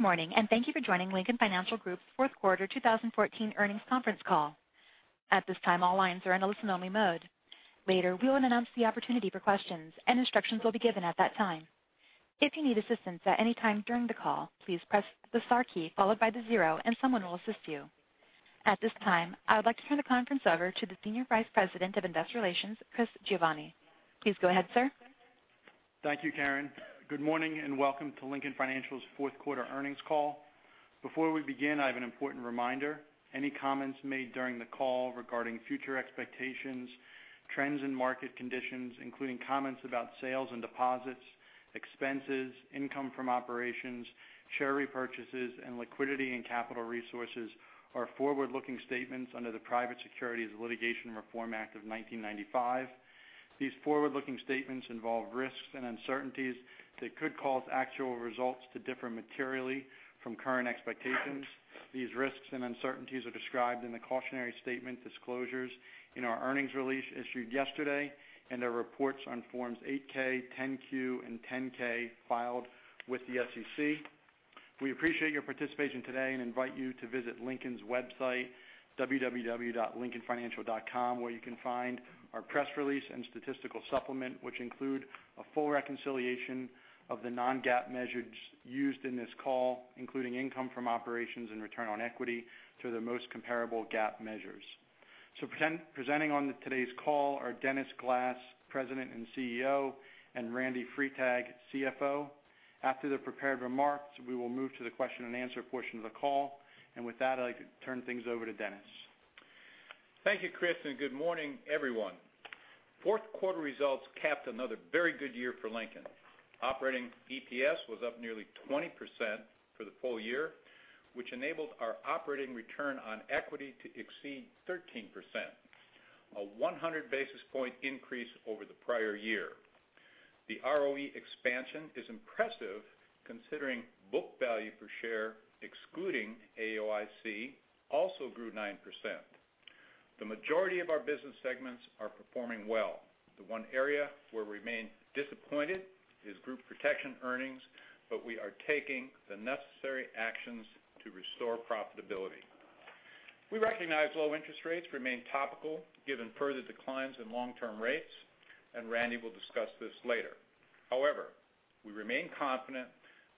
Good morning, and thank you for joining Lincoln Financial Group's fourth quarter 2014 earnings conference call. At this time, all lines are in a listen-only mode. Later, we will announce the opportunity for questions, and instructions will be given at that time. If you need assistance at any time during the call, please press the star key followed by the zero and someone will assist you. At this time, I would like to turn the conference over to the Senior Vice President of Investor Relations, Chris Giovanni. Please go ahead, sir. Thank you, Karen. Good morning and welcome to Lincoln Financial's fourth quarter earnings call. Before we begin, I have an important reminder. Any comments made during the call regarding future expectations, trends and market conditions, including comments about sales and deposits, expenses, income from operations, share repurchases, and liquidity and capital resources, are forward-looking statements under the Private Securities Litigation Reform Act of 1995. These forward-looking statements involve risks and uncertainties that could cause actual results to differ materially from current expectations. These risks and uncertainties are described in the cautionary statement disclosures in our earnings release issued yesterday and our reports on Forms 8-K, 10-Q, and 10-K filed with the SEC. We appreciate your participation today and invite you to visit Lincoln's website, www.lincolnfinancial.com, where you can find our press release and statistical supplement, which include a full reconciliation of the non-GAAP measures used in this call, including income from operations and return on equity, to the most comparable GAAP measures. Presenting on today's call are Dennis Glass, President and CEO, and Randy Freitag, CFO. After the prepared remarks, we will move to the question and answer portion of the call. With that, I'd like to turn things over to Dennis. Thank you, Chris, and good morning, everyone. Fourth quarter results capped another very good year for Lincoln. Operating EPS was up nearly 20% for the full year, which enabled our operating return on equity to exceed 13%, a 100-basis-point increase over the prior year. The ROE expansion is impressive considering book value per share, excluding AOCI, also grew 9%. The majority of our business segments are performing well. The one area where we remain disappointed is group protection earnings, but we are taking the necessary actions to restore profitability. We recognize low interest rates remain topical given further declines in long-term rates, and Randy will discuss this later. However, we remain confident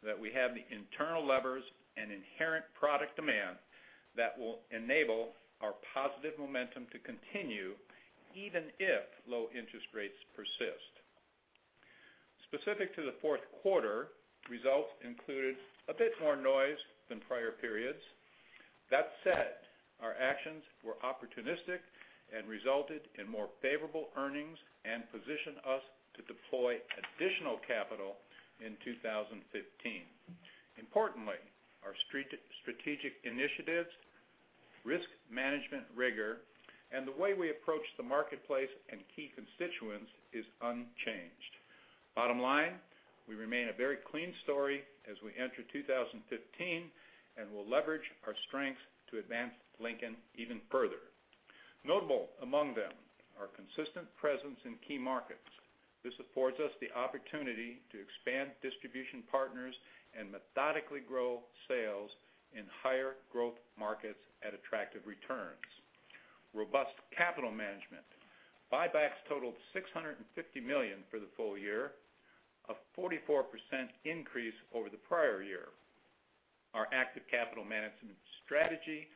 that we have the internal levers and inherent product demand that will enable our positive momentum to continue even if low interest rates persist. Specific to the fourth quarter, results included a bit more noise than prior periods. That said, our actions were opportunistic and resulted in more favorable earnings and position us to deploy additional capital in 2015. Importantly, our strategic initiatives, risk management rigor, and the way we approach the marketplace and key constituents is unchanged. Bottom line, we remain a very clean story as we enter 2015, and we'll leverage our strengths to advance Lincoln even further. Notable among them, our consistent presence in key markets. This affords us the opportunity to expand distribution partners and methodically grow sales in higher-growth markets at attractive returns. Robust capital management. Buybacks totaled $650 million for the full year, a 44% increase over the prior year. Our active capital management strategy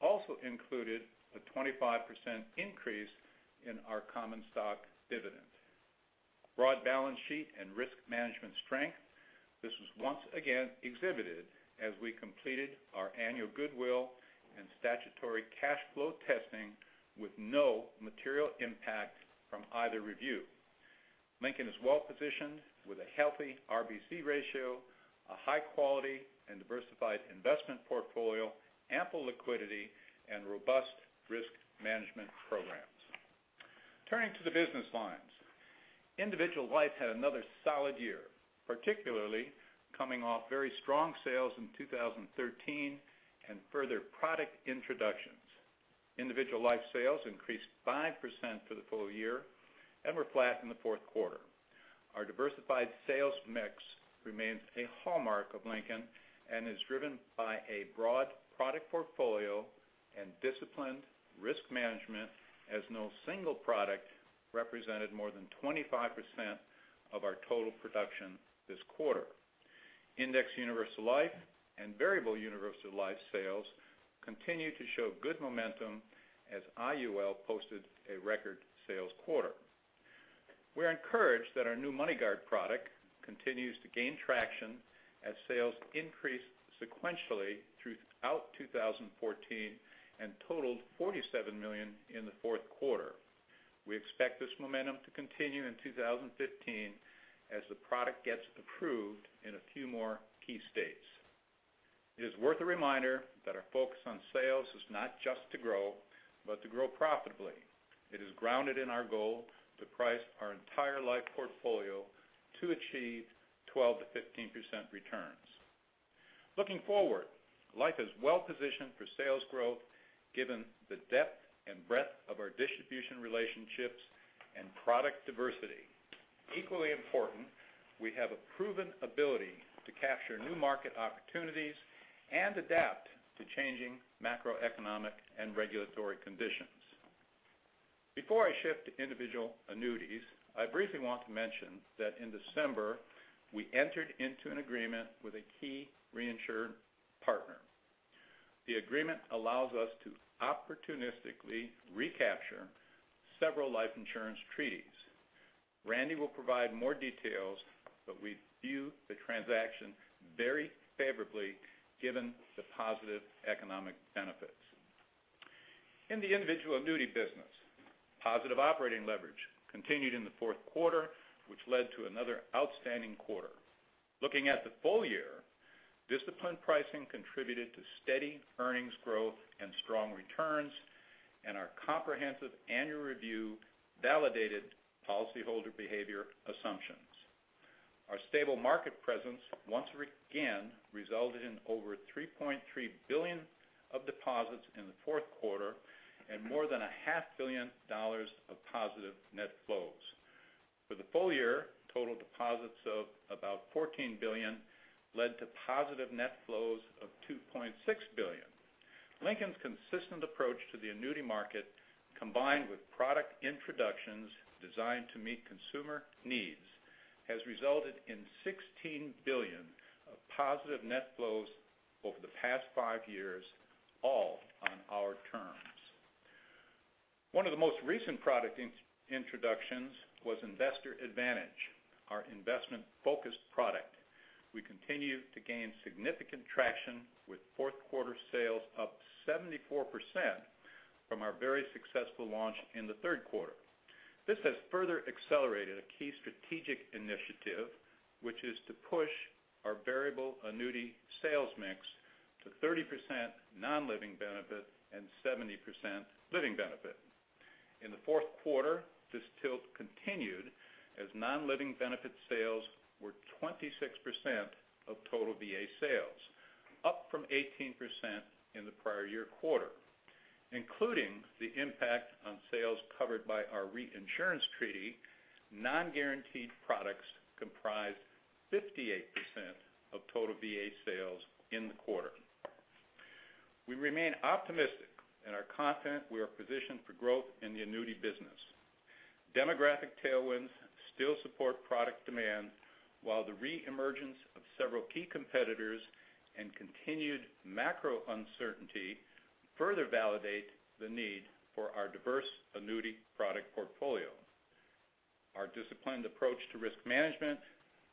also included a 25% increase in our common stock dividend. Broad balance sheet and risk management strength. This was once again exhibited as we completed our annual goodwill and statutory cash flow testing with no material impact from either review. Lincoln is well-positioned with a healthy RBC ratio, a high quality and diversified investment portfolio, ample liquidity, and robust risk management programs. Turning to the business lines. Individual Life had another solid year, particularly coming off very strong sales in 2013 and further product introductions. Individual Life sales increased 5% for the full year and were flat in the fourth quarter. Our diversified sales mix remains a hallmark of Lincoln and is driven by a broad product portfolio and disciplined risk management, as no single product represented more than 25% of our total production this quarter. Indexed Universal Life and Variable Universal Life sales continue to show good momentum as IUL posted a record sales quarter. We're encouraged that our new MoneyGuard product continues to gain traction as sales increased sequentially throughout 2014 and totaled $47 million in the fourth quarter. We expect this momentum to continue in 2015 as the product gets approved in a few more key states. It is worth a reminder that our focus on sales is not just to grow, but to grow profitably. It is grounded in our goal to price our entire Life portfolio to achieve 12%-15% returns. Looking forward, Life is well-positioned for sales growth given the depth and breadth of our distribution relationships and product diversity. Equally important, we have a proven ability to capture new market opportunities and adapt to changing macroeconomic and regulatory conditions. Before I shift to Individual Annuities, I briefly want to mention that in December, we entered into an agreement with a key reinsured partner. The agreement allows us to opportunistically recapture several life insurance treaties. Randy will provide more details, but we view the transaction very favorably given the positive economic benefits. In the Individual Annuity business, positive operating leverage continued in the fourth quarter, which led to another outstanding quarter. Looking at the full year, disciplined pricing contributed to steady earnings growth and strong returns, and our comprehensive annual review validated policyholder behavior assumptions. Our stable market presence once again resulted in over $3.3 billion of deposits in the fourth quarter and more than a half billion dollars of positive net flows. For the full year, total deposits of about $14 billion led to positive net flows of $2.6 billion. Lincoln's consistent approach to the annuity market, combined with product introductions designed to meet consumer needs, has resulted in $16 billion of positive net flows over the past five years, all on our terms. One of the most recent product introductions was Investor Advantage, our investment-focused product. We continue to gain significant traction with fourth-quarter sales up 74% from our very successful launch in the third quarter. This has further accelerated a key strategic initiative, which is to push our VA sales mix to 30% non-living benefit and 70% living benefit. In the fourth quarter, this tilt continued as non-living benefit sales were 26% of total VA sales, up from 18% in the prior year quarter. Including the impact on sales covered by our reinsurance treaty, non-guaranteed products comprised 58% of total VA sales in the quarter. We remain optimistic and are confident we are positioned for growth in the annuity business. Demographic tailwinds still support product demand, while the re-emergence of several key competitors and continued macro uncertainty further validate the need for our diverse annuity product portfolio. Our disciplined approach to risk management,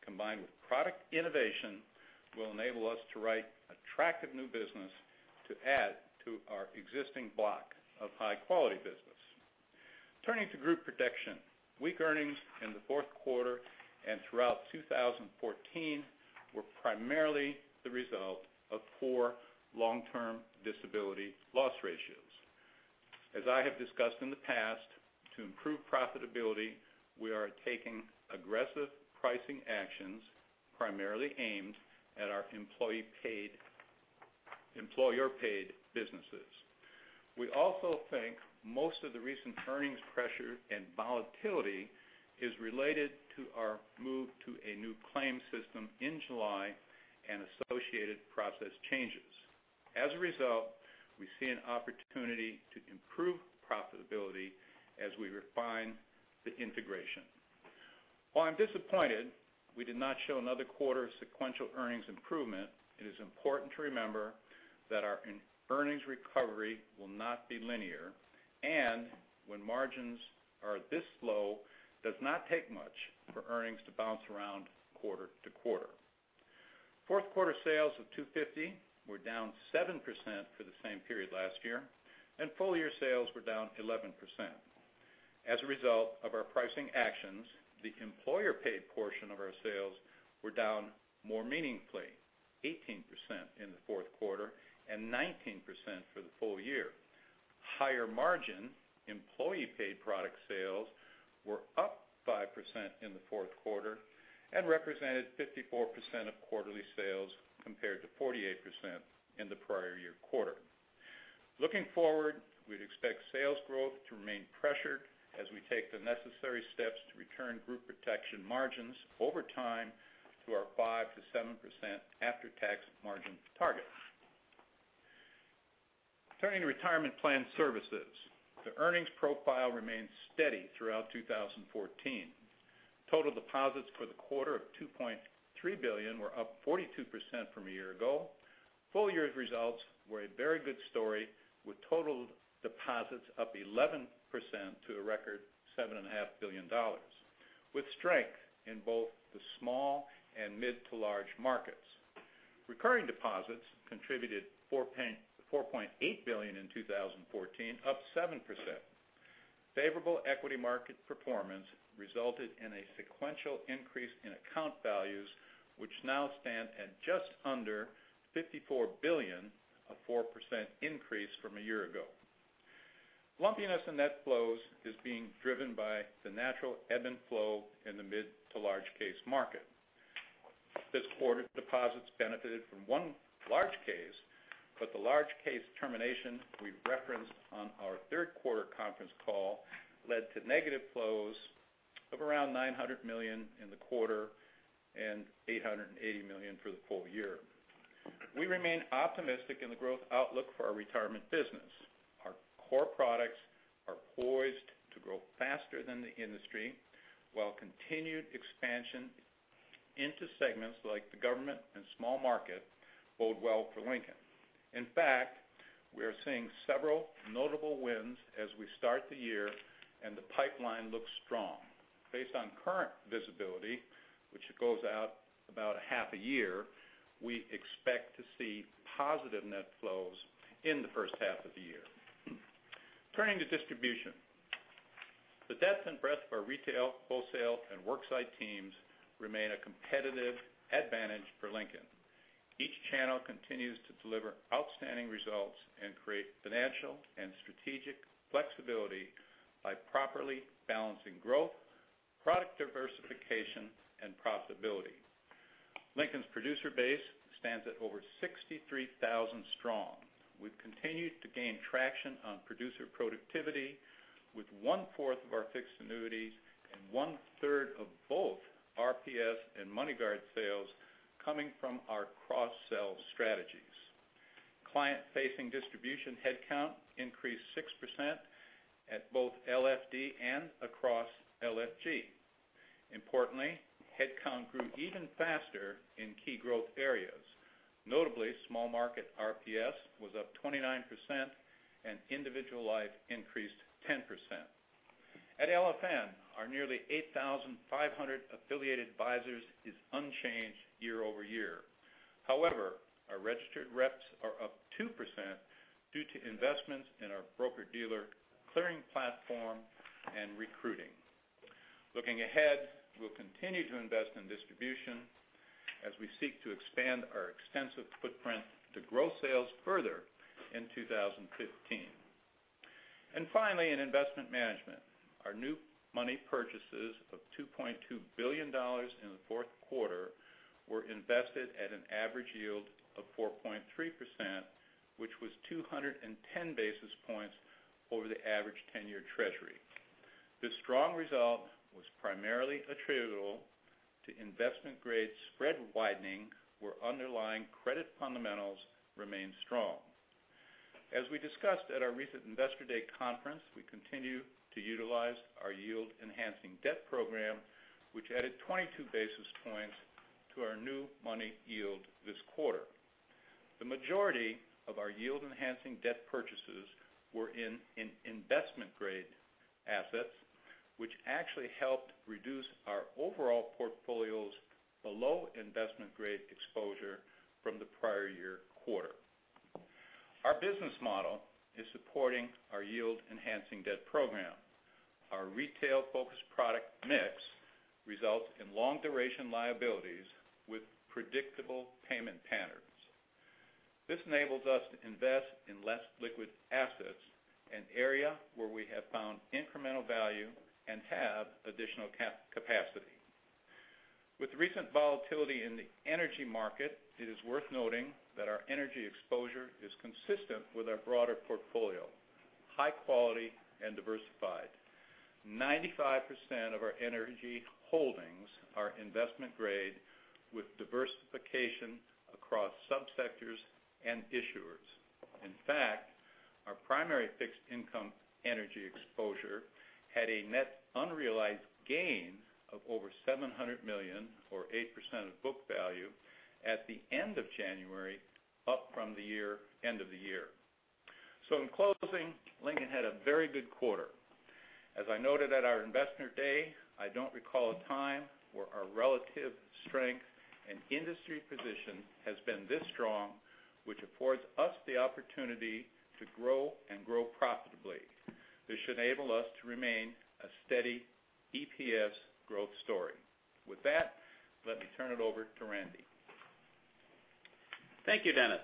combined with product innovation, will enable us to write attractive new business to add to our existing block of high-quality business. Turning to Group Protection, weak earnings in the fourth quarter and throughout 2014 were primarily the result of poor long-term disability loss ratios. As I have discussed in the past, to improve profitability, we are taking aggressive pricing actions, primarily aimed at our employer-paid businesses. We also think most of the recent earnings pressure and volatility is related to our move to a new claims system in July and associated process changes. We see an opportunity to improve profitability as we refine the integration. While I'm disappointed we did not show another quarter of sequential earnings improvement, it is important to remember that our earnings recovery will not be linear, and when margins are this low, does not take much for earnings to bounce around quarter to quarter. Fourth quarter sales of $250 were down 7% for the same period last year, and full-year sales were down 11%. As a result of our pricing actions, the employer-paid portion of our sales were down more meaningfully, 18% in the fourth quarter and 19% for the full year. Higher margin employee-paid product sales were up 5% in the fourth quarter and represented 54% of quarterly sales, compared to 48% in the prior year quarter. Looking forward, we'd expect sales growth to remain pressured as we take the necessary steps to return Group Protection margins over time to our 5%-7% after-tax margin target. Turning to Retirement Plan Services, the earnings profile remained steady throughout 2014. Total deposits for the quarter of $2.3 billion were up 42% from a year ago. Full year's results were a very good story, with total deposits up 11% to a record $7.5 billion, with strength in both the small and mid to large markets. Recurring deposits contributed $4.8 billion in 2014, up 7%. Favorable equity market performance resulted in a sequential increase in account values, which now stand at just under $54 billion, a 4% increase from a year ago. Lumpiness in net flows is being driven by the natural ebb and flow in the mid to large case market. This quarter's deposits benefited from one large case, the large case termination we referenced on our third quarter conference call led to negative flows of around $900 million in the quarter and $880 million for the full year. We remain optimistic in the growth outlook for our retirement business. Our core products are poised to grow faster than the industry, while continued expansion into segments like the government and small market bode well for Lincoln. In fact, we are seeing several notable wins as we start the year and the pipeline looks strong. Based on current visibility, which goes out about a half a year, we expect to see positive net flows in the first half of the year. Turning to distribution. The depth and breadth of our retail, wholesale, and worksite teams remain a competitive advantage for Lincoln. Each channel continues to deliver outstanding results and create financial and strategic flexibility by properly balancing growth, product diversification, and profitability. Lincoln's producer base stands at over 63,000 strong. We've continued to gain traction on producer productivity with one-fourth of our fixed annuities and one-third of both RPS and MoneyGuard sales coming from our cross-sell strategies. Client-facing distribution headcount increased 6% at both LFD and across LFG. Importantly, headcount grew even faster in key growth areas. Notably, small market RPS was up 29% and individual life increased 10%. At LFN, our nearly 8,500 affiliated advisors is unchanged year-over-year. However, our registered reps are up 2% due to investments in our broker-dealer clearing platform and recruiting. Looking ahead, we'll continue to invest in distribution as we seek to expand our extensive footprint to grow sales further in 2015. Finally, in investment management, our new money purchases of $2.2 billion in the fourth quarter were invested at an average yield of 4.3%, which was 210 basis points over the average 10-year treasury. This strong result was primarily attributable to investment-grade spread widening, where underlying credit fundamentals remain strong. As we discussed at our recent Investor Day conference, we continue to utilize our yield-enhancing debt program, which added 22 basis points to our new money yield this quarter. The majority of our yield-enhancing debt purchases were in investment-grade assets, which actually helped reduce our overall portfolio's below-investment-grade exposure from the prior year quarter. Our business model is supporting our yield-enhancing debt program. Our retail-focused product mix results in long-duration liabilities with predictable payment patterns. This enables us to invest in less liquid assets, an area where we have found incremental value and have additional capacity. With the recent volatility in the energy market, it is worth noting that our energy exposure is consistent with our broader portfolio, high quality, and diversified. 95% of our energy holdings are investment-grade, with diversification across subsectors and issuers. In fact, our primary fixed income energy exposure had a net unrealized gain of over $700 million or 8% of book value at the end of January, up from the end of the year. In closing, Lincoln had a very good quarter. As I noted at our Investor Day, I don't recall a time where our relative strength and industry position has been this strong, which affords us the opportunity to grow and grow profitably. This should enable us to remain a steady EPS growth story. With that, let me turn it over to Randy. Thank you, Dennis.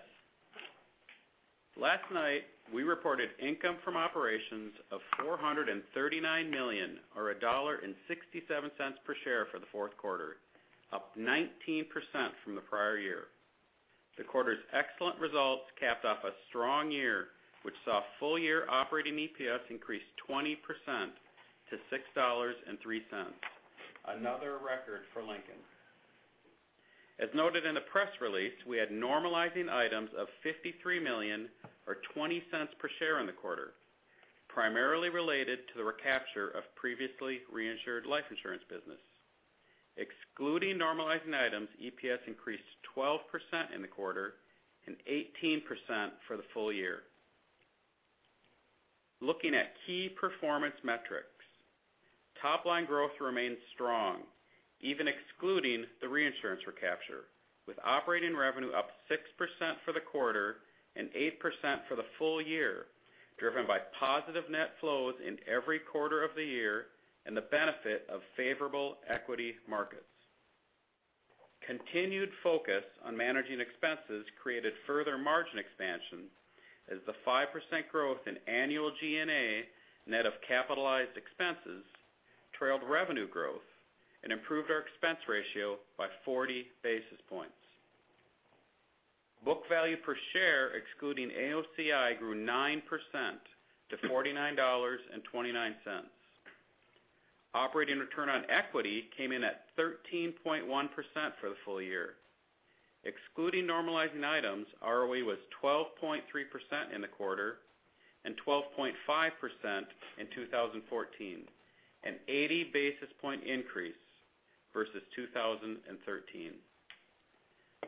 Last night, we reported income from operations of $439 million or $1.67 per share for the fourth quarter, up 19% from the prior year. The quarter's excellent results capped off a strong year, which saw full-year operating EPS increase 20% to $6.03, another record for Lincoln. As noted in the press release, we had normalizing items of $53 million or $0.20 per share in the quarter, primarily related to the recapture of previously reinsured life insurance business. Excluding normalizing items, EPS increased 12% in the quarter and 18% for the full year. Looking at key performance metrics. Top-line growth remains strong, even excluding the reinsurance recapture, with operating revenue up 6% for the quarter and 8% for the full year, driven by positive net flows in every quarter of the year and the benefit of favorable equity markets. Continued focus on managing expenses created further margin expansion. The 5% growth in annual G&A net of capitalized expenses trailed revenue growth and improved our expense ratio by 40 basis points. Book value per share, excluding AOCI, grew 9% to $49.29. Operating return on equity came in at 13.1% for the full year. Excluding normalizing items, ROE was 12.3% in the quarter and 12.5% in 2014, an 80 basis point increase versus 2013.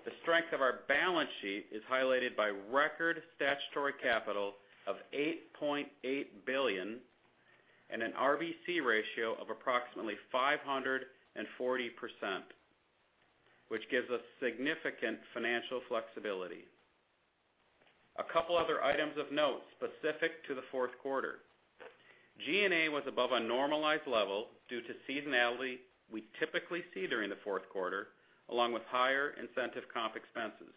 The strength of our balance sheet is highlighted by record statutory capital of $8.8 billion and an RBC ratio of approximately 540%, which gives us significant financial flexibility. A couple other items of note specific to the fourth quarter. G&A was above a normalized level due to seasonality we typically see during the fourth quarter, along with higher incentive comp expenses.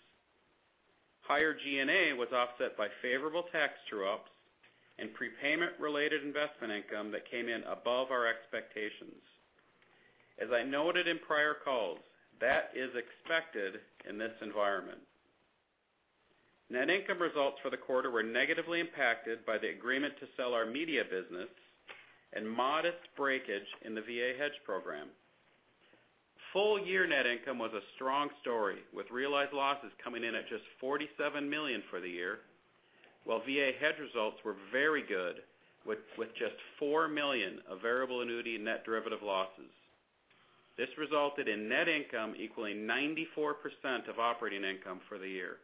Higher G&A was offset by favorable tax true-ups and prepayment-related investment income that came in above our expectations. As I noted in prior calls, that is expected in this environment. Net income results for the quarter were negatively impacted by the agreement to sell our media business and modest breakage in the VA hedge program. Full-year net income was a strong story, with realized losses coming in at just $47 million for the year, while VA hedge results were very good, with just $4 million of variable annuity and net derivative losses. This resulted in net income equaling 94% of operating income for the year.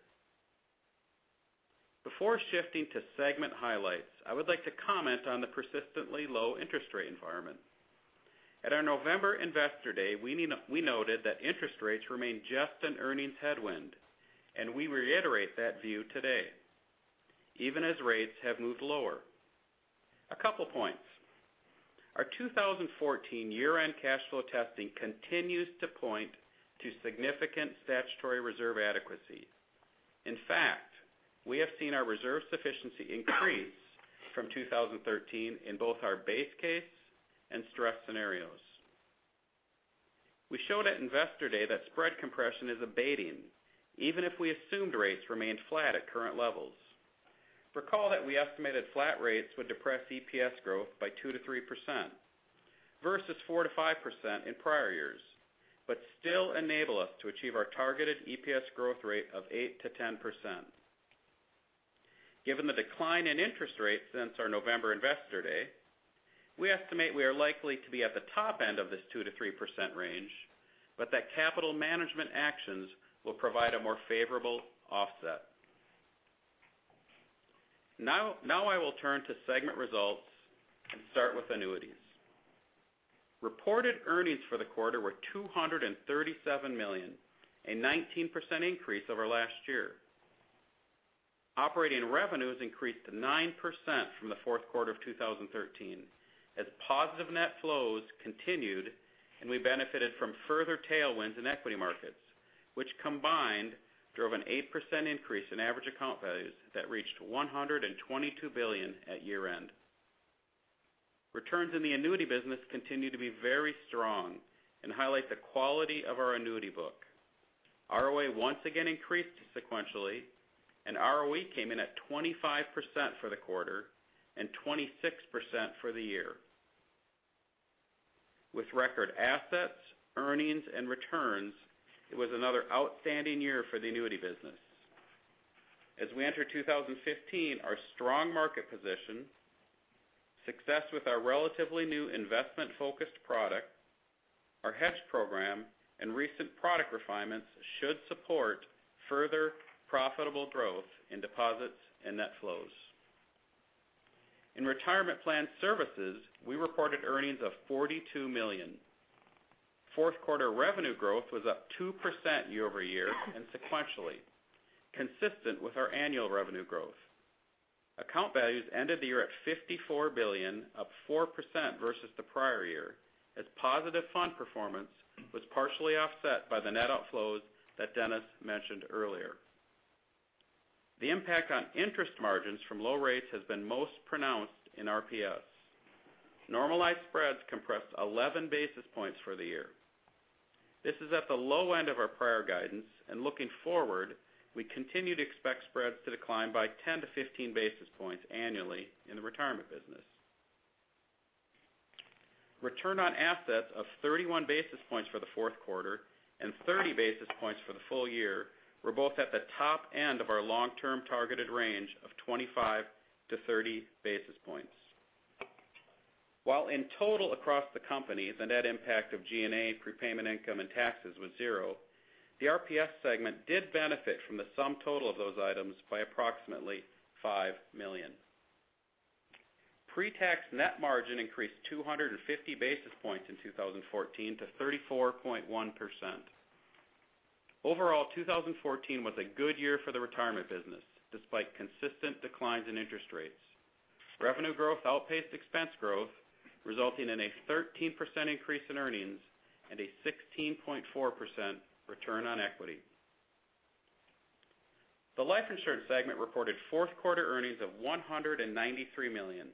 Before shifting to segment highlights, I would like to comment on the persistently low interest rate environment. At our November Investor Day, we noted that interest rates remain just an earnings headwind, and we reiterate that view today, even as rates have moved lower. A couple points. Our 2014 year-end cash flow testing continues to point to significant statutory reserve adequacy. In fact, we have seen our reserve sufficiency increase from 2013 in both our base case and stress scenarios. We showed at Investor Day that spread compression is abating, even if we assumed rates remained flat at current levels. Recall that we estimated flat rates would depress EPS growth by 2%-3%, versus 4%-5% in prior years, but still enable us to achieve our targeted EPS growth rate of 8%-10%. Given the decline in interest rates since our November Investor Day, we estimate we are likely to be at the top end of this 2%-3% range, but that capital management actions will provide a more favorable offset. Now I will turn to segment results and start with annuities. Reported earnings for the quarter were $237 million, a 19% increase over last year. Operating revenues increased 9% from the fourth quarter of 2013 as positive net flows continued and we benefited from further tailwinds in equity markets, which combined drove an 8% increase in average account values that reached $122 billion at year-end. Returns in the annuity business continue to be very strong and highlight the quality of our annuity book. ROA once again increased sequentially, and ROE came in at 25% for the quarter and 26% for the year. With record assets, earnings, and returns, it was another outstanding year for the annuity business. As we enter 2015, our strong market position, success with our relatively new investment-focused product, our hedge program, and recent product refinements should support further profitable growth in deposits and net flows. In retirement plan services, we reported earnings of $42 million. Fourth quarter revenue growth was up 2% year-over-year and sequentially, consistent with our annual revenue growth. Account values ended the year at $54 billion, up 4% versus the prior year, as positive fund performance was partially offset by the net outflows that Dennis mentioned earlier. The impact on interest margins from low rates has been most pronounced in RPS. Normalized spreads compressed 11 basis points for the year. This is at the low end of our prior guidance, and looking forward, we continue to expect spreads to decline by 10 to 15 basis points annually in the retirement business. Return on assets of 31 basis points for the fourth quarter and 30 basis points for the full year were both at the top end of our long-term targeted range of 25 to 30 basis points. While in total across the company, the net impact of G&A prepayment income and taxes was zero, the RPS segment did benefit from the sum total of those items by approximately $5 million. Pre-tax net margin increased 250 basis points in 2014 to 34.1%. Overall, 2014 was a good year for the retirement business, despite consistent declines in interest rates. Revenue growth outpaced expense growth, resulting in a 13% increase in earnings and a 16.4% return on equity. The life insurance segment reported fourth quarter earnings of $193 million,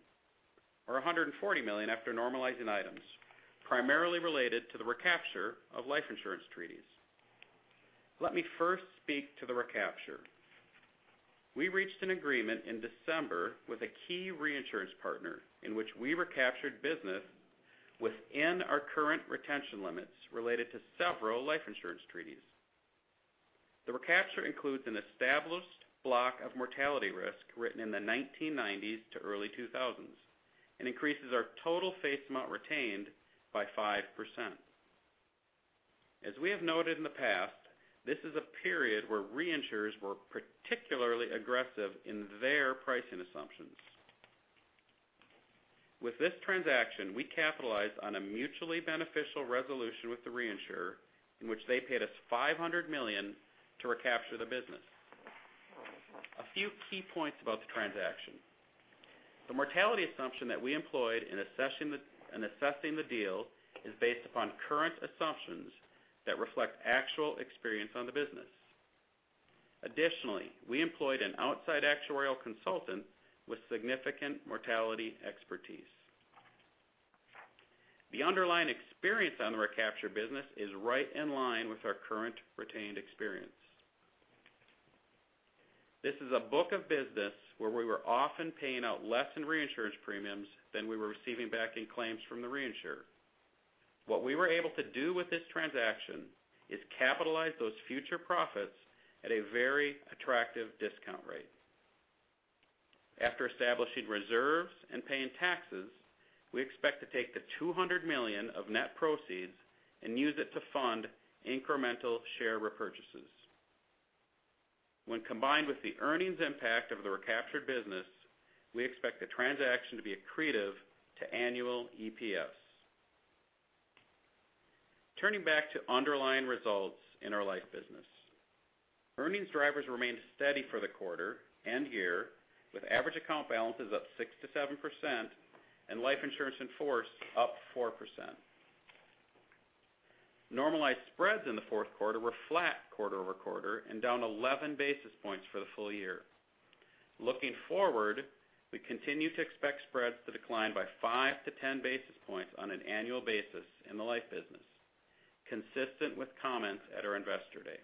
or $140 million after normalizing items primarily related to the recapture of life insurance treaties. Let me first speak to the recapture. We reached an agreement in December with a key reinsurance partner in which we recaptured business within our current retention limits related to several life insurance treaties. The recapture includes an established block of mortality risk written in the 1990s to early 2000s and increases our total face amount retained by 5%. As we have noted in the past, this is a period where reinsurers were particularly aggressive in their pricing assumptions. With this transaction, we capitalized on a mutually beneficial resolution with the reinsurer in which they paid us $500 million to recapture the business. A few key points about the transaction. The mortality assumption that we employed in assessing the deal is based upon current assumptions that reflect actual experience on the business. Additionally, we employed an outside actuarial consultant with significant mortality expertise. The underlying experience on the recapture business is right in line with our current retained experience. This is a book of business where we were often paying out less in reinsurance premiums than we were receiving back in claims from the reinsurer. What we were able to do with this transaction is capitalize those future profits at a very attractive discount rate. After establishing reserves and paying taxes, we expect to take the $200 million of net proceeds and use it to fund incremental share repurchases. When combined with the earnings impact of the recaptured business, we expect the transaction to be accretive to annual EPS. Turning back to underlying results in our life business. Earnings drivers remained steady for the quarter and year, with average account balances up 6%-7% and life insurance in force up 4%. Normalized spreads in the fourth quarter were flat quarter-over-quarter and down 11 basis points for the full year. Looking forward, we continue to expect spreads to decline by 5 to 10 basis points on an annual basis in the life business, consistent with comments at our Investor Day.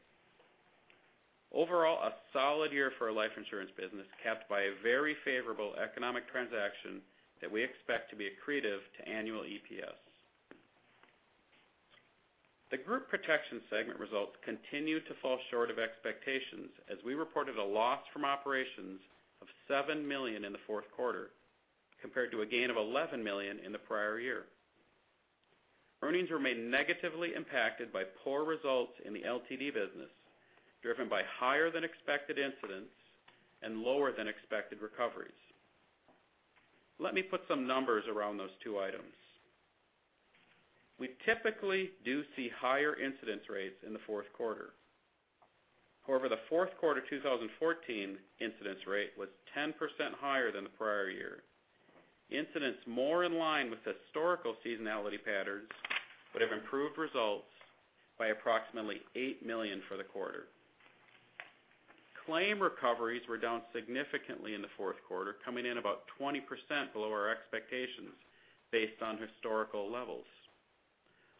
Overall, a solid year for our life insurance business, capped by a very favorable economic transaction that we expect to be accretive to annual EPS. The group protection segment results continued to fall short of expectations, as we reported a loss from operations of $7 million in the fourth quarter, compared to a gain of $11 million in the prior year. Earnings remained negatively impacted by poor results in the LTD business, driven by higher than expected incidents and lower than expected recoveries. Let me put some numbers around those two items. We typically do see higher incidence rates in the fourth quarter. However, the fourth quarter 2014 incidence rate was 10% higher than the prior year. Incidents more in line with historical seasonality patterns would have improved results by approximately $8 million for the quarter. Claim recoveries were down significantly in the fourth quarter, coming in about 20% below our expectations based on historical levels.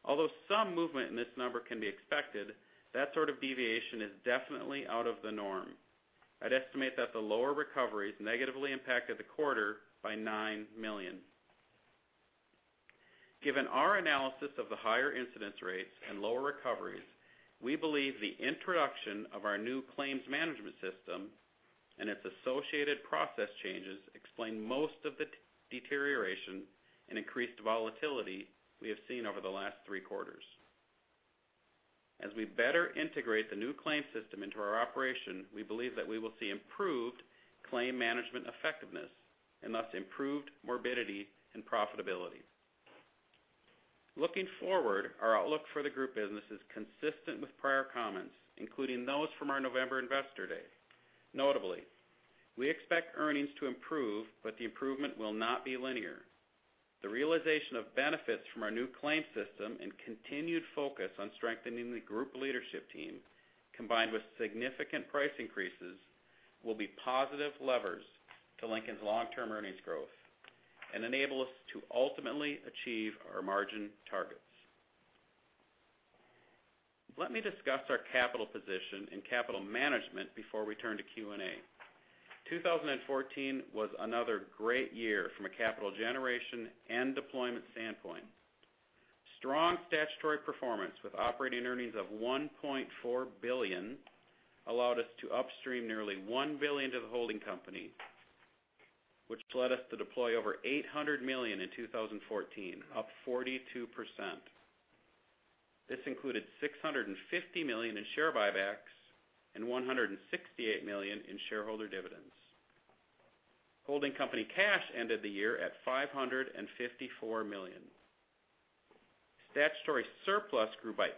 Although some movement in this number can be expected, that sort of deviation is definitely out of the norm. I'd estimate that the lower recoveries negatively impacted the quarter by $9 million. Given our analysis of the higher incidence rates and lower recoveries, we believe the introduction of our new claims management system and its associated process changes explain most of the deterioration and increased volatility we have seen over the last three quarters. As we better integrate the new claims system into our operation, we believe that we will see improved claims management effectiveness and thus improved morbidity and profitability. Looking forward, our outlook for the group business is consistent with prior comments, including those from our November Investor Day. Notably, we expect earnings to improve, but the improvement will not be linear. The realization of benefits from our new claims system and continued focus on strengthening the group leadership team, combined with significant price increases, will be positive levers to Lincoln's long-term earnings growth and enable us to ultimately achieve our margin targets. Let me discuss our capital position and capital management before we turn to Q&A. 2014 was another great year from a capital generation and deployment standpoint. Strong statutory performance with operating earnings of $1.4 billion allowed us to upstream nearly $1 billion to the holding company, which led us to deploy over $800 million in 2014, up 42%. This included $650 million in share buybacks and $168 million in shareholder dividends. Holding company cash ended the year at $554 million. Statutory surplus grew by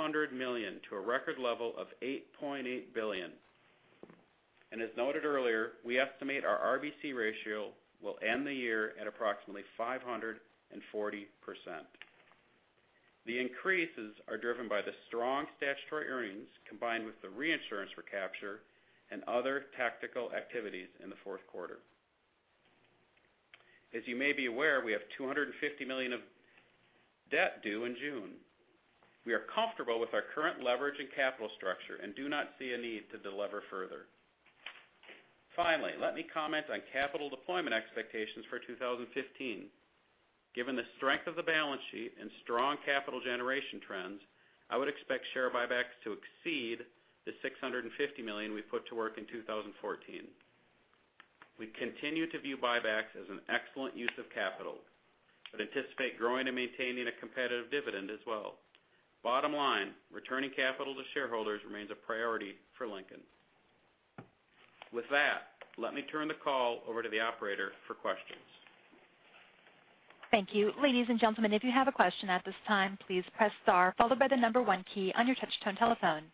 $800 million to a record level of $8.8 billion. As noted earlier, we estimate our RBC ratio will end the year at approximately 540%. The increases are driven by the strong statutory earnings, combined with the reinsurance recapture and other tactical activities in the fourth quarter. As you may be aware, we have $250 million of debt due in June. We are comfortable with our current leverage and capital structure and do not see a need to delever further. Finally, let me comment on capital deployment expectations for 2015. Given the strength of the balance sheet and strong capital generation trends, I would expect share buybacks to exceed the $650 million we put to work in 2014. We continue to view buybacks as an excellent use of capital, but anticipate growing and maintaining a competitive dividend as well. Bottom line, returning capital to shareholders remains a priority for Lincoln. With that, let me turn the call over to the operator for questions. Thank you. Ladies and gentlemen, if you have a question at this time, please press star followed by the number one key on your touchtone telephone.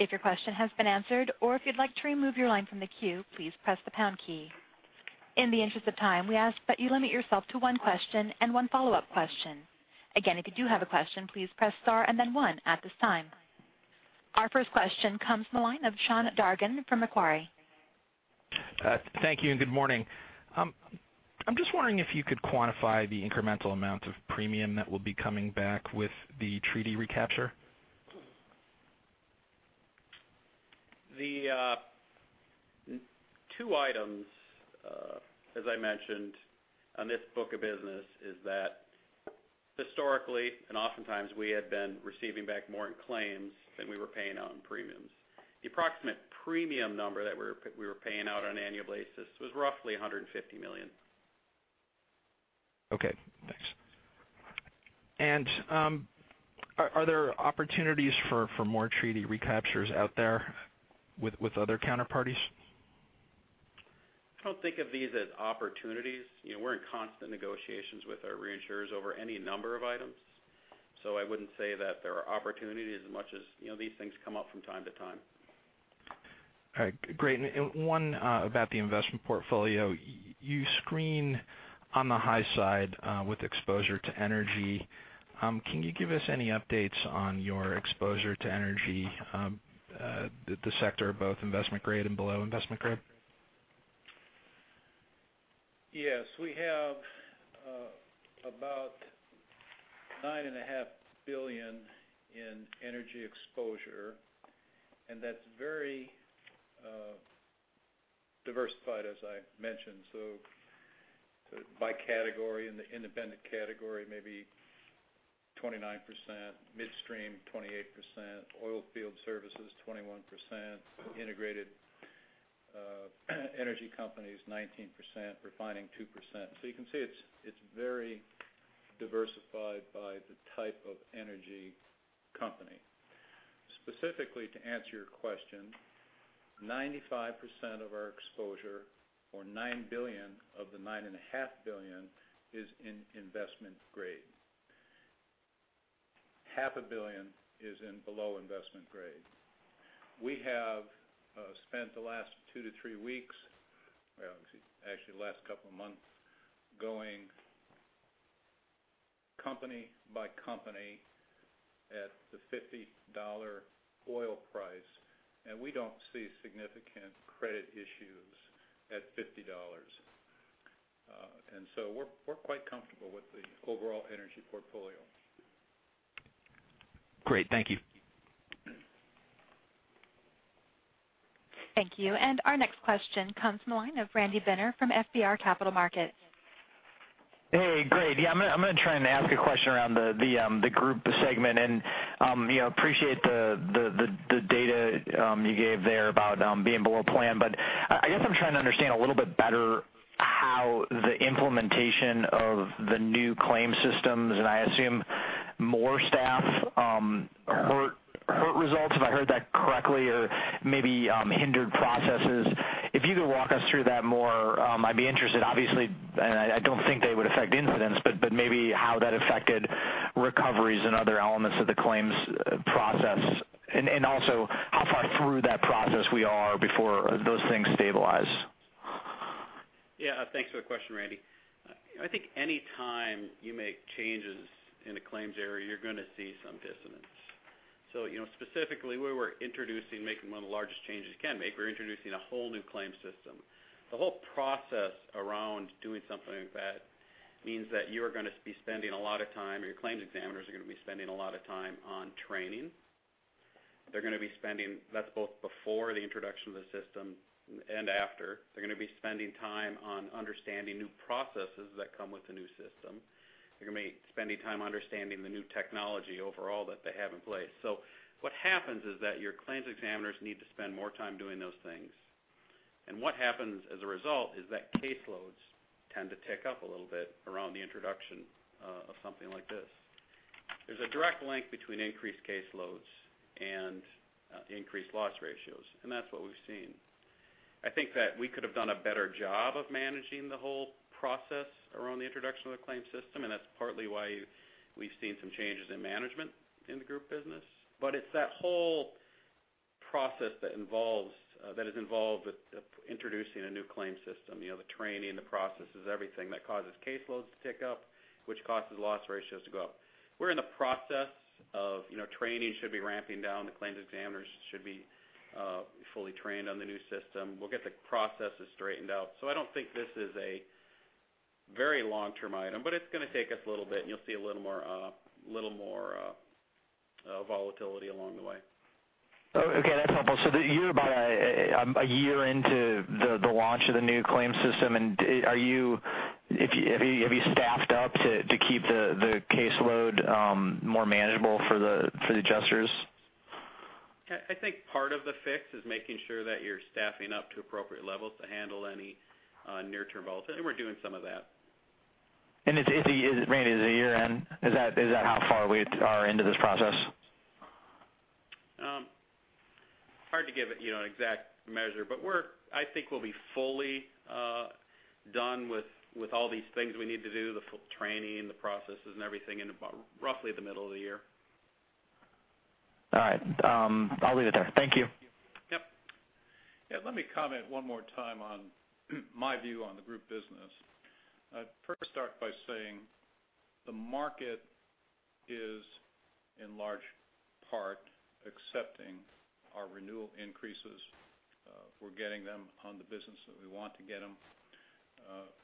If your question has been answered or if you'd like to remove your line from the queue, please press the pound key. In the interest of time, we ask that you limit yourself to one question and one follow-up question. Again, if you do have a question, please press star and then one at this time. Our first question comes from the line of Sean Dargan from Macquarie. Thank you and good morning. I'm just wondering if you could quantify the incremental amount of premium that will be coming back with the treaty recapture. The two items, as I mentioned on this book of business, is that historically and oftentimes we had been receiving back more in claims than we were paying out in premiums. The approximate premium number that we were paying out on an annual basis was roughly $150 million. Okay, thanks. Are there opportunities for more treaty recaptures out there with other counterparties? I don't think of these as opportunities. We're in constant negotiations with our reinsurers over any number of items. I wouldn't say that there are opportunities as much as these things come up from time to time. All right. Great. One about the investment portfolio. You screen on the high side with exposure to energy. Can you give us any updates on your exposure to energy, the sector, both investment grade and below investment grade? Yes. We have about $9.5 billion in energy exposure, and that's very diversified, as I mentioned. By category, in the independent category, maybe 29%, midstream 28%, oil field services 21%, integrated energy companies 19%, refining 2%. You can see it's very diversified by the type of energy company. Specifically, to answer your question, 95% of our exposure, or $9 billion of the $9.5 billion is in investment grade. $0.5 billion is in below investment grade. We have spent the last two to three weeks, well, actually the last couple of months, going company by company at the $50 oil price, and we don't see significant credit issues at $50. We're quite comfortable with the overall energy portfolio. Great. Thank you. Thank you. Our next question comes from the line of Randy Binner from FBR Capital Markets. Hey, great. I'm going to try and ask a question around the group segment, and appreciate the data you gave there about being below plan. I guess I'm trying to understand a little bit better how the implementation of the new claims systems, and I assume more staff hurt results, if I heard that correctly, or maybe hindered processes. If you could walk us through that more, I'd be interested. Obviously, and I don't think they would affect incidents, but maybe how that affected recoveries and other elements of the claims process. Also how far through that process we are before those things stabilize. Thanks for the question, Randy. I think any time you make changes in a claims area, you're going to see some dissonance. Specifically, making one of the largest changes you can make. We're introducing a whole new claims system. The whole process around doing something like that means that you are going to be spending a lot of time, or your claims examiners are going to be spending a lot of time on training. That's both before the introduction of the system and after. They're going to be spending time on understanding new processes that come with the new system. They're going to be spending time understanding the new technology overall that they have in place. What happens is that your claims examiners need to spend more time doing those things. What happens as a result is that caseloads tend to tick up a little bit around the introduction of something like this. There's a direct link between increased caseloads and increased loss ratios, and that's what we've seen I think that we could have done a better job of managing the whole process around the introduction of the claims system, and that's partly why we've seen some changes in management in the group business. It's that whole process that is involved with introducing a new claims system, the training, the processes, everything that causes caseloads to tick up, which causes loss ratios to go up. We're in the process of training, should be ramping down, the claims examiners should be fully trained on the new system. We'll get the processes straightened out. I don't think this is a very long-term item, but it's going to take us a little bit and you'll see a little more volatility along the way. That's helpful. You're about a year into the launch of the new claims system. Have you staffed up to keep the caseload more manageable for the adjusters? I think part of the fix is making sure that you're staffing up to appropriate levels to handle any near-term volatility, and we're doing some of that. Randy, is it year-end? Is that how far we are into this process? Hard to give an exact measure, but I think we'll be fully done with all these things we need to do, the training, the processes, and everything in about roughly the middle of the year. All right. I'll leave it there. Thank you. Yep. Yeah, let me comment one more time on my view on the group business. I'd first start by saying the market is, in large part, accepting our renewal increases. We're getting them on the business that we want to get them.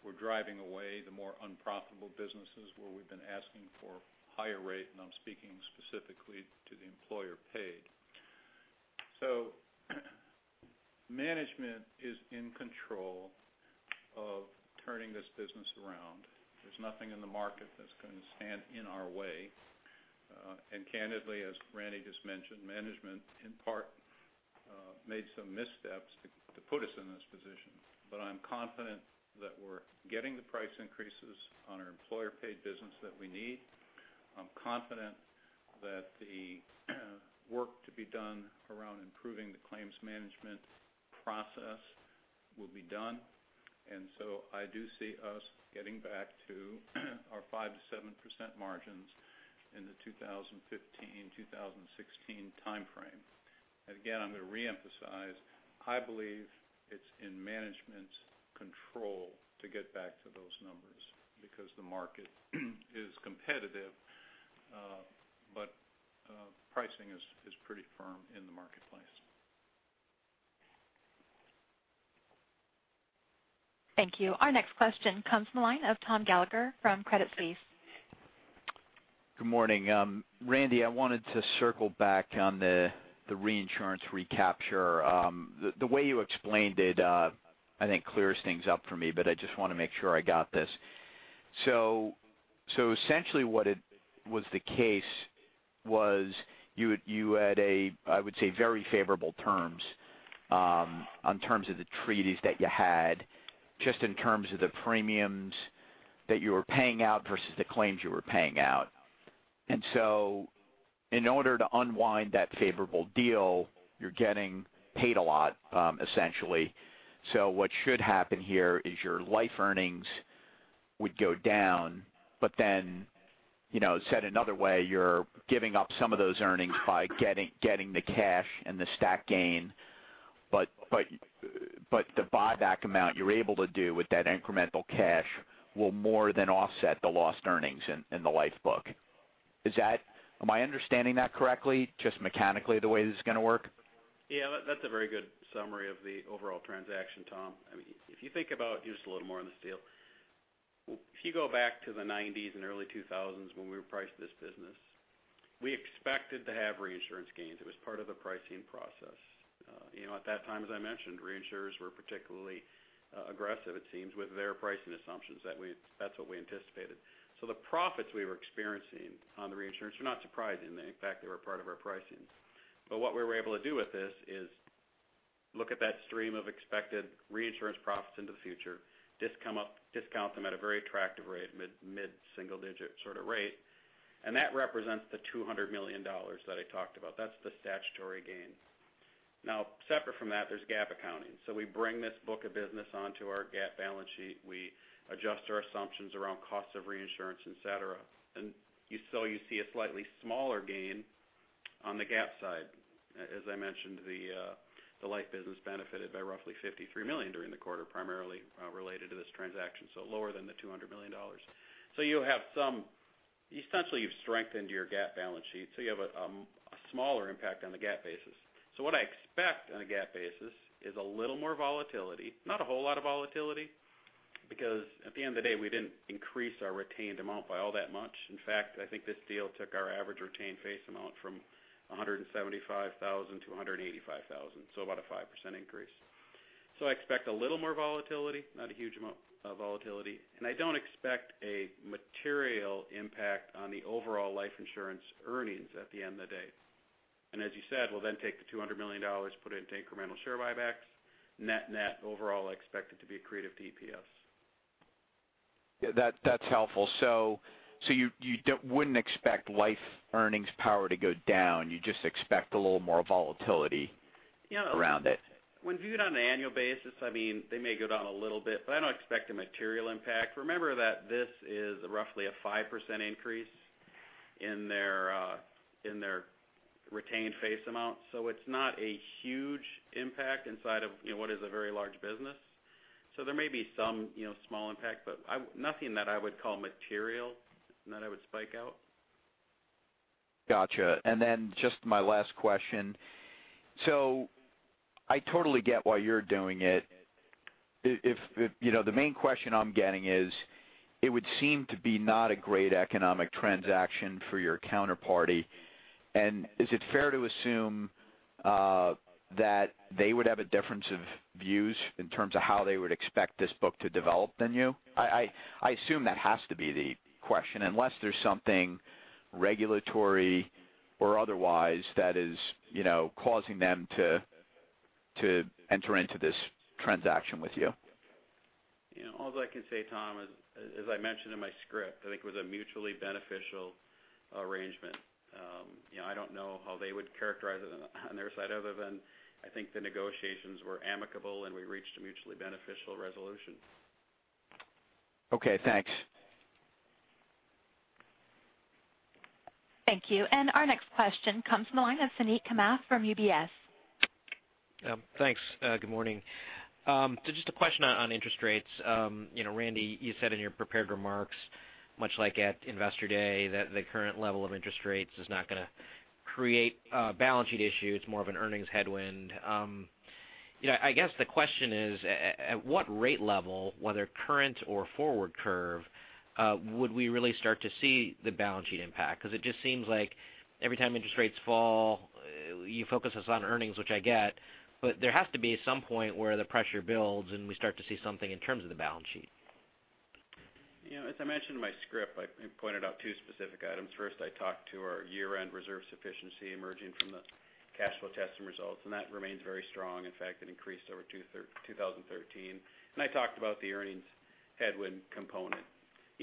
We're driving away the more unprofitable businesses where we've been asking for higher rate, and I'm speaking specifically to the employer paid. Management is in control of turning this business around. There's nothing in the market that's going to stand in our way. Candidly, as Randy just mentioned, management, in part, made some missteps to put us in this position. I'm confident that we're getting the price increases on our employer paid business that we need. I'm confident that the work to be done around improving the claims management process will be done. I do see us getting back to our 5%-7% margins in the 2015, 2016 timeframe. Again, I'm going to reemphasize, I believe it's in management's control to get back to those numbers because the market is competitive, but pricing is pretty firm in the marketplace. Thank you. Our next question comes from the line of Tom Gallagher from Credit Suisse. Good morning. Randy, I wanted to circle back on the reinsurance recapture. The way you explained it, I think clears things up for me, but I just want to make sure I got this. Essentially what was the case was you had a, I would say, very favorable terms on terms of the treaties that you had, just in terms of the premiums that you were paying out versus the claims you were paying out. In order to unwind that favorable deal, you're getting paid a lot, essentially. What should happen here is your life earnings would go down, but then, said another way, you're giving up some of those earnings by getting the cash and the stock gain. The buyback amount you're able to do with that incremental cash will more than offset the lost earnings in the life book. Am I understanding that correctly? Just mechanically the way this is going to work? That's a very good summary of the overall transaction, Tom. If you think about just a little more on this deal. If you go back to the '90s and early 2000s when we priced this business, we expected to have reinsurance gains. It was part of the pricing process. At that time, as I mentioned, reinsurers were particularly aggressive, it seems, with their pricing assumptions. That's what we anticipated. The profits we were experiencing on the reinsurance were not surprising. In fact, they were part of our pricing. What we were able to do with this is look at that stream of expected reinsurance profits into the future, discount them at a very attractive rate, mid-single digit sort of rate. That represents the $200 million that I talked about. That's the statutory gain. Now, separate from that, there's GAAP accounting. We bring this book of business onto our GAAP balance sheet. We adjust our assumptions around cost of reinsurance, et cetera. You see a slightly smaller gain on the GAAP side. As I mentioned, the life business benefited by roughly $53 million during the quarter, primarily related to this transaction, lower than the $200 million. Essentially, you've strengthened your GAAP balance sheet, you have a smaller impact on the GAAP basis. What I expect on a GAAP basis is a little more volatility. Not a whole lot of volatility, because at the end of the day, we didn't increase our retained amount by all that much. In fact, I think this deal took our average retained face amount from 175,000 to 185,000, about a 5% increase. I expect a little more volatility, not a huge amount of volatility. I don't expect a material impact on the overall life insurance earnings at the end of the day. As you said, we'll then take the $200 million, put it into incremental share buybacks. Net-net, overall, I expect it to be accretive to EPS. That's helpful. You wouldn't expect life earnings power to go down. You just expect a little more volatility around it. When viewed on an annual basis, they may go down a little bit, but I don't expect a material impact. Remember that this is roughly a 5% increase in their retained face amount, so it's not a huge impact inside of what is a very large business. There may be some small impact, but nothing that I would call material that I would spike out. Got you. Then just my last question. I totally get why you're doing it. The main question I'm getting is, it would seem to be not a great economic transaction for your counterparty. Is it fair to assume that they would have a difference of views in terms of how they would expect this book to develop than you? I assume that has to be the question unless there's something regulatory or otherwise that is causing them to enter into this transaction with you. All I can say, Tom, is, as I mentioned in my script, I think it was a mutually beneficial arrangement. I don't know how they would characterize it on their side other than, I think the negotiations were amicable and we reached a mutually beneficial resolution. Okay, thanks. Thank you. Our next question comes from the line of Suneet Kamath from UBS. Thanks. Good morning. Just a question on interest rates. Randy, you said in your prepared remarks, much like at Investor Day, that the current level of interest rates is not going to create a balance sheet issue. It's more of an earnings headwind. I guess the question is, at what rate level, whether current or forward curve, would we really start to see the balance sheet impact? Because it just seems like every time interest rates fall, you focus us on earnings, which I get, but there has to be some point where the pressure builds and we start to see something in terms of the balance sheet. As I mentioned in my script, I pointed out two specific items. First, I talked to our year-end reserve sufficiency emerging from the cash flow testing results, and that remains very strong. In fact, it increased over 2013. I talked about the earnings headwind component.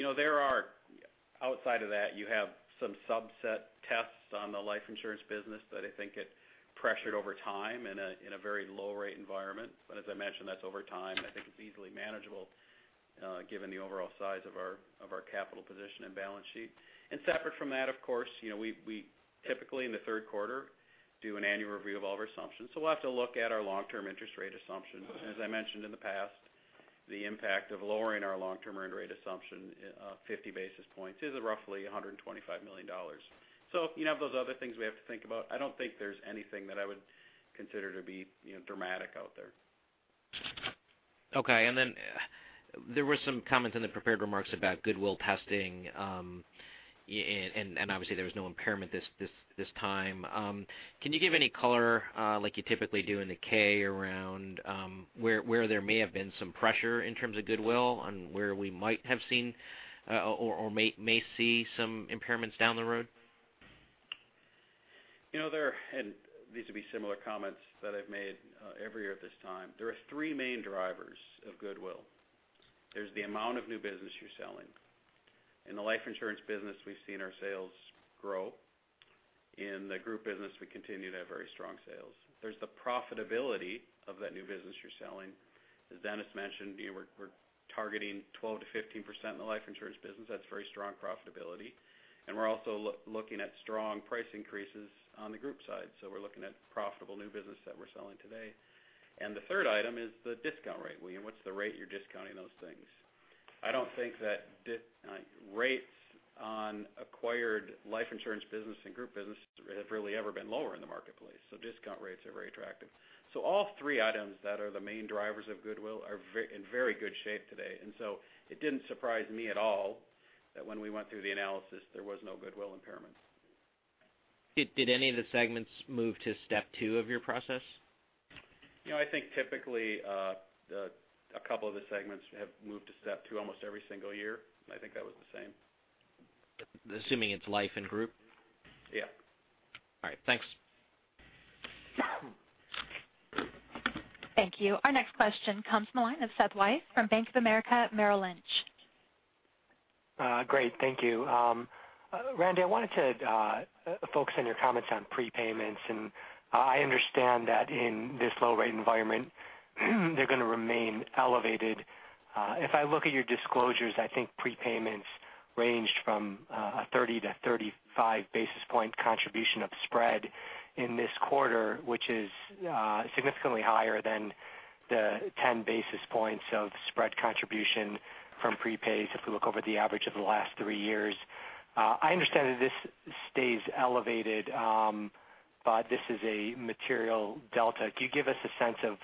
Outside of that, you have some subset tests on the life insurance business that I think get pressured over time in a very low-rate environment. As I mentioned, that's over time. I think it's easily manageable given the overall size of our capital position and balance sheet. Separate from that, of course, we typically in the third quarter do an annual review of all of our assumptions. We'll have to look at our long-term interest rate assumptions. As I mentioned in the past, the impact of lowering our long-term earned rate assumption 50 basis points is roughly $125 million. You have those other things we have to think about. I don't think there's anything that I would consider to be dramatic out there. Okay. There were some comments in the prepared remarks about goodwill testing, and obviously there was no impairment this time. Can you give any color, like you typically do in the K, around where there may have been some pressure in terms of goodwill on where we might have seen or may see some impairments down the road? These will be similar comments that I've made every year at this time. There are three main drivers of goodwill. There's the amount of new business you're selling. In the life insurance business, we've seen our sales grow. In the group business, we continue to have very strong sales. There's the profitability of that new business you're selling. As Dennis mentioned, we're targeting 12%-15% in the life insurance business. That's very strong profitability. We're also looking at strong price increases on the group side. We're looking at profitable new business that we're selling today. The third item is the discount rate. What's the rate you're discounting those things? I don't think that rates on acquired life insurance business and group business have really ever been lower in the marketplace. Discount rates are very attractive. All three items that are the main drivers of goodwill are in very good shape today. It didn't surprise me at all that when we went through the analysis, there was no goodwill impairment. Did any of the segments move to step 2 of your process? I think typically a couple of the segments have moved to step 2 almost every single year. I think that was the same. Assuming it's life and group? Yeah. All right. Thanks. Thank you. Our next question comes from the line of Seth Weiss from Bank of America Merrill Lynch. Great. Thank you. Randy, I wanted to focus on your comments on prepayments. I understand that in this low-rate environment, they're going to remain elevated. If I look at your disclosures, I think prepayments ranged from a 30 to 35 basis point contribution of spread in this quarter, which is significantly higher than the 10 basis points of spread contribution from prepays if we look over the average of the last three years. I understand that this stays elevated, this is a material delta. Could you give us a sense of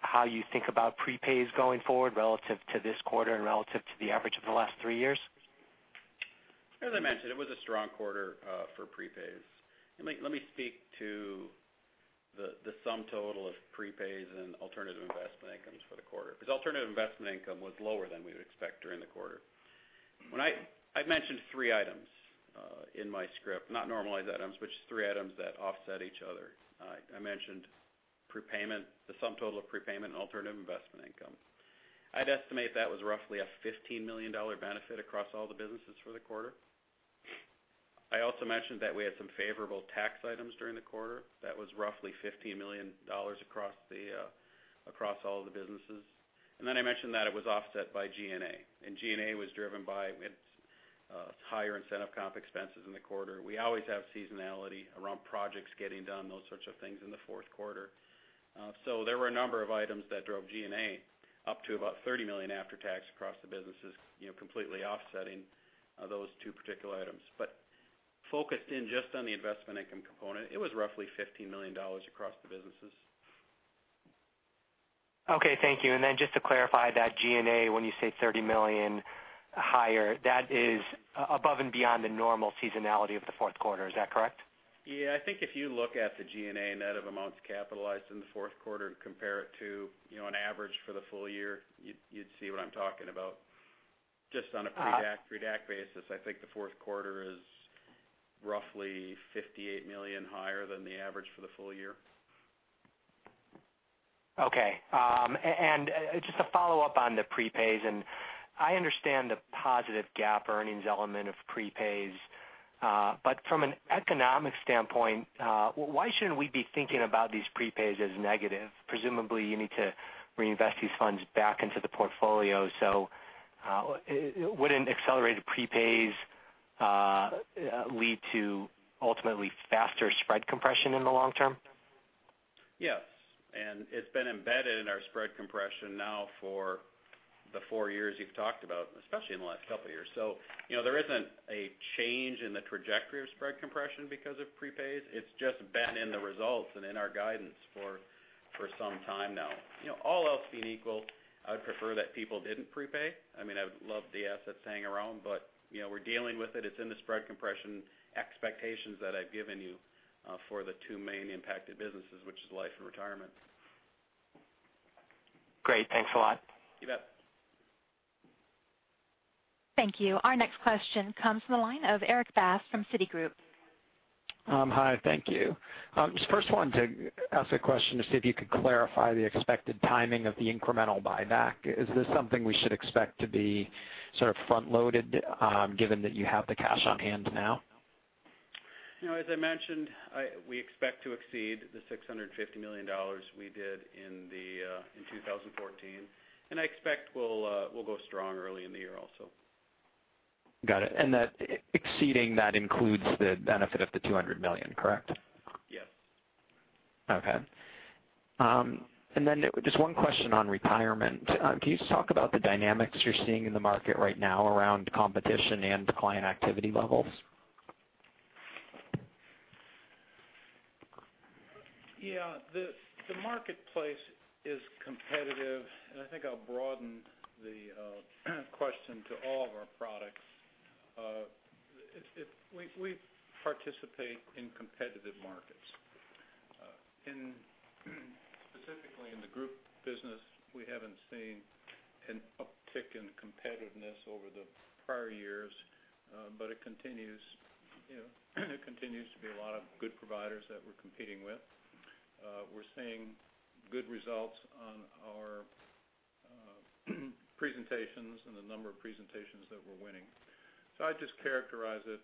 how you think about prepays going forward relative to this quarter and relative to the average of the last three years? As I mentioned, it was a strong quarter for prepays. Let me speak to the sum total of prepays and alternative investment incomes for the quarter because alternative investment income was lower than we would expect during the quarter. When I mentioned three items in my script, not normalized items, which is three items that offset each other. I mentioned the sum total of prepayment and alternative investment income. I'd estimate that was roughly a $15 million benefit across all the businesses for the quarter. I also mentioned that we had some favorable tax items during the quarter. That was roughly $15 million across all of the businesses. I mentioned that it was offset by G&A. G&A was driven by its higher incentive comp expenses in the quarter. We always have seasonality around projects getting done, those sorts of things in the fourth quarter. There were a number of items that drove G&A up to about $30 million after tax across the businesses, completely offsetting those two particular items. Focused in just on the investment income component, it was roughly $15 million across the businesses. Okay, thank you. Just to clarify that G&A, when you say $30 million higher, that is above and beyond the normal seasonality of the fourth quarter. Is that correct? I think if you look at the G&A net of amounts capitalized in the fourth quarter and compare it to an average for the full year, you'd see what I'm talking about. Just on a pre-DAC basis, I think the fourth quarter is roughly $58 million higher than the average for the full year. Okay. Just to follow up on the prepays, I understand the positive GAAP earnings element of prepays, but from an economic standpoint, why shouldn't we be thinking about these prepays as negative? Presumably, you need to reinvest these funds back into the portfolio, so wouldn't accelerated prepays lead to ultimately faster spread compression in the long term? Yes, it's been embedded in our spread compression now for the four years you've talked about, especially in the last couple of years. There isn't a change in the trajectory of spread compression because of prepays. It's just been in the results and in our guidance for some time now. All else being equal, I would prefer that people didn't prepay. I would love the assets hanging around, but we're dealing with it. It's in the spread compression expectations that I've given you for the two main impacted businesses, which is life and retirement. Great. Thanks a lot. You bet. Thank you. Our next question comes from the line of Erik Bass from Citigroup. Hi, thank you. Just first wanted to ask a question to see if you could clarify the expected timing of the incremental buyback. Is this something we should expect to be sort of front-loaded, given that you have the cash on hand now? As I mentioned, we expect to exceed the $650 million we did in 2014. I expect we'll go strong early in the year also. Got it. Exceeding that includes the benefit of the $200 million, correct? Yes. Okay. Just one question on retirement. Can you just talk about the dynamics you're seeing in the market right now around competition and client activity levels? Yeah. The marketplace is competitive. I think I'll broaden the question to all of our products. We participate in competitive markets. Specifically in the group business, we haven't seen an uptick in competitiveness over the prior years, but it continues to be a lot of good providers that we're competing with. We're seeing good results on our presentations and the number of presentations that we're winning. I'd just characterize it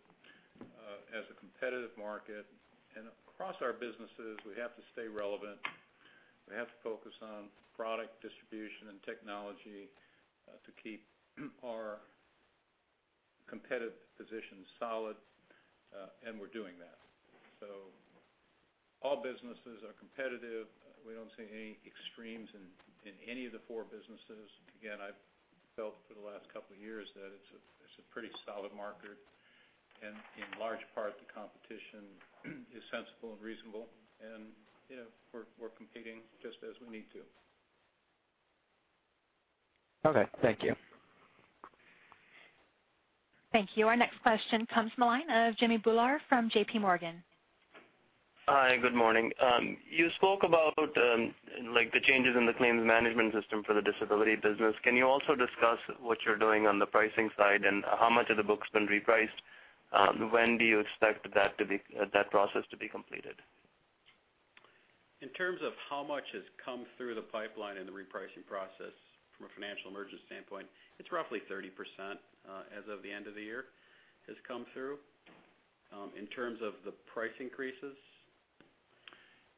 as a competitive market. Across our businesses, we have to stay relevant. We have to focus on product distribution and technology to keep our competitive position solid. We're doing that. All businesses are competitive. We don't see any extremes in any of the four businesses. I've felt for the last couple of years that it's a pretty solid market, and in large part, the competition is sensible and reasonable, and we're competing just as we need to. Thank you. Thank you. Our next question comes from the line of Jamminder Bhullar from JPMorgan. Hi, good morning. You spoke about the changes in the claims management system for the disability business. Can you also discuss what you're doing on the pricing side, and how much of the book's been repriced? When do you expect that process to be completed? In terms of how much has come through the pipeline in the repricing process from a financial emergence standpoint, it's roughly 30% as of the end of the year has come through. In terms of the price increases?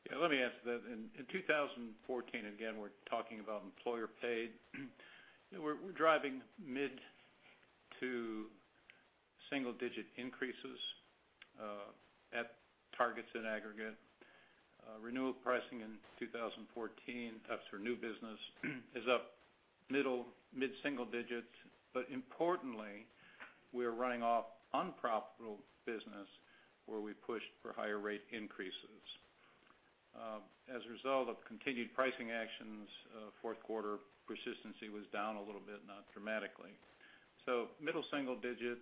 Yeah, let me answer that. In 2014, again, we're talking about employer paid. We're driving mid to single-digit increases at targets in aggregate. Renewal pricing in 2014, that's for new business, is up mid-single digits. Importantly, we are running off unprofitable business where we pushed for higher rate increases. As a result of continued pricing actions, fourth quarter persistency was down a little bit, not dramatically. Middle single digit,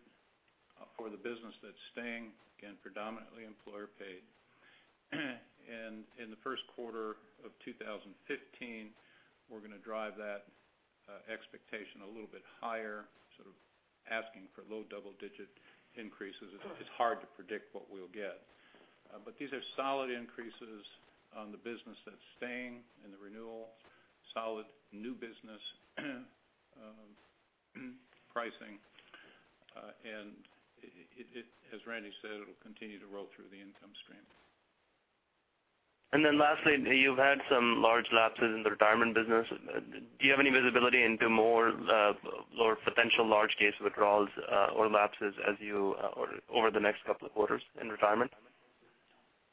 for the business that's staying, again, predominantly employer-paid. In the first quarter of 2015, we're going to drive that expectation a little bit higher, sort of asking for low double-digit increases. It's hard to predict what we'll get. These are solid increases on the business that's staying in the renewal, solid new business pricing. As Randy said, it'll continue to roll through the income stream. Lastly, you've had some large lapses in the retirement business. Do you have any visibility into more potential large case withdrawals or lapses over the next couple of quarters in retirement?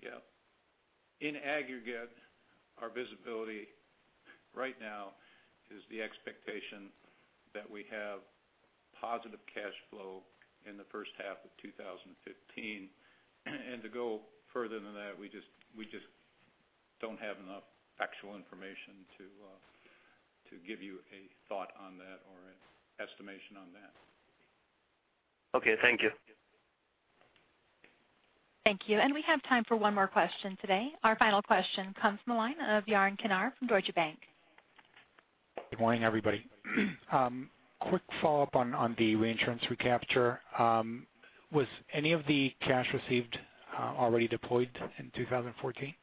Yeah. In aggregate, our visibility right now is the expectation that we have positive cash flow in the first half of 2015. To go further than that, we just don't have enough factual information to give you a thought on that or an estimation on that. Okay, thank you. Thank you. We have time for one more question today. Our final question comes from the line of Yaron Kinar from Deutsche Bank. Good morning, everybody. Quick follow-up on the reinsurance recapture. Was any of the cash received already deployed in 2014?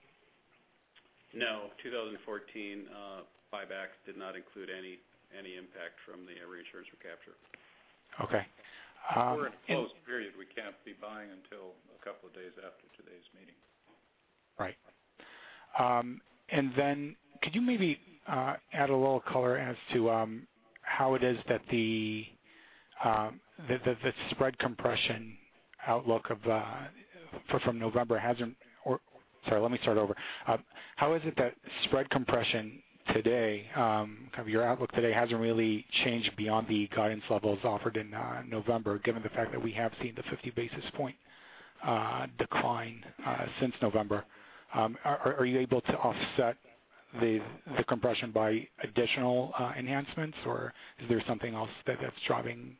No, 2014 buybacks did not include any impact from the reinsurance recapture. Okay. We're in a closed period. We can't be buying until a couple of days after today's meeting. Then could you maybe add a little color as to how is it that spread compression today, kind of your outlook today, hasn't really changed beyond the guidance levels offered in November, given the fact that we have seen the 50 basis point decline since November? Are you able to offset the compression by additional enhancements, or is there something else that's driving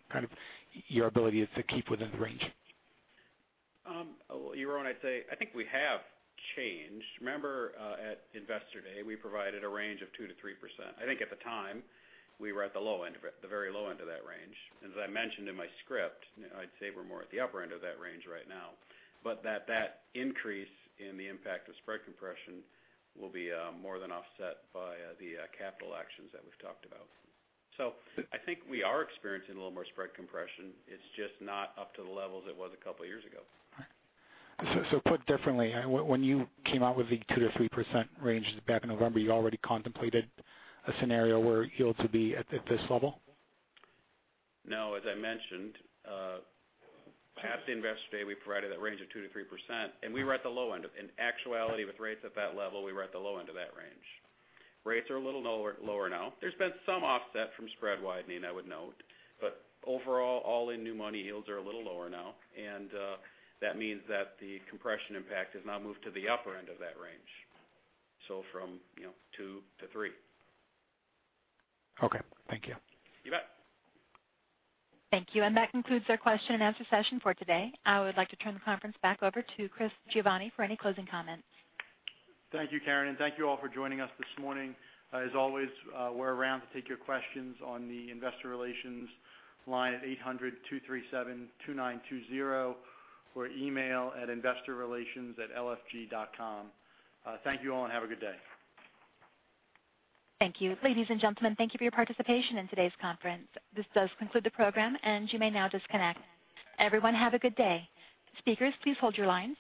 your ability to keep within the range? Yaron, I'd say, I think we have changed. Remember, at Investor Day, we provided a range of 2%-3%. As I mentioned in my script, I'd say we're more at the upper end of that range right now. That increase in the impact of spread compression will be more than offset by the capital actions that we've talked about. I think we are experiencing a little more spread compression. It's just not up to the levels it was a couple of years ago. Put differently, when you came out with the 2%-3% range back in November, you already contemplated a scenario where yields would be at this level? No, as I mentioned, past the Investor Day, we provided that range of 2%-3%, and we were at the low end. In actuality, with rates at that level, we were at the low end of that range. Rates are a little lower now. There's been some offset from spread widening, I would note. Overall, all-in new money yields are a little lower now, and that means that the compression impact has now moved to the upper end of that range. From 2%-3%. Okay. Thank you. You bet. Thank you. That concludes our question and answer session for today. I would like to turn the conference back over to Chris Giovanni for any closing comments. Thank you, Karen, and thank you all for joining us this morning. As always, we're around to take your questions on the investor relations line at 800-237-2920 or email at investorrelations@lfg.com. Thank you all, and have a good day. Thank you. Ladies and gentlemen, thank you for your participation in today's conference. This does conclude the program, and you may now disconnect. Everyone, have a good day. Speakers, please hold your lines.